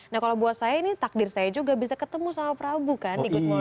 nah kalau buat saya ini takdir saya juga bisa ketemu sama prabu kan di good morni